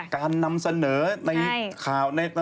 การนำเสนอในข่าว